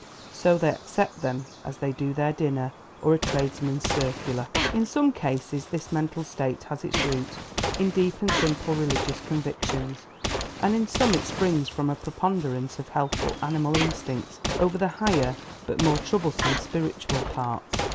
So they accept them as they do their dinner or a tradesman's circular. In some cases this mental state has its root in deep and simple religious convictions, and in some it springs from a preponderance of healthful animal instincts over the higher but more troublesome spiritual parts.